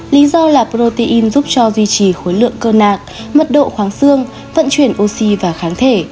lý do là protein giúp cho duy trì khối lượng cơ nạc mật độ khoáng xương vận chuyển oxy và kháng thể